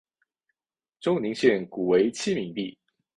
周宁县古为七闽地。